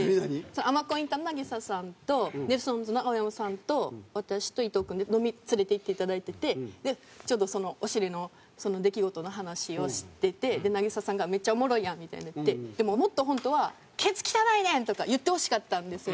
尼神インターの渚さんとネルソンズの青山さんと私と伊藤君で飲み連れていって頂いててちょうどそのお尻の出来事の話をしてて渚さんが「めっちゃおもろいやん」みたいになってでももっとホントは「ケツ汚いねん！」とか言ってほしかったんですよ。